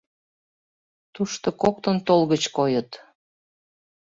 Тушто коктын толгыч койыт...